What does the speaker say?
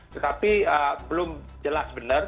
tetapi belum jelas benar